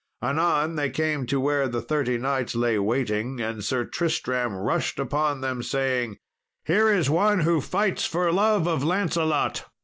Anon they came to where the thirty knights lay waiting, and Sir Tristram rushed upon them, saying, "Here is one who fights for love of Lancelot!"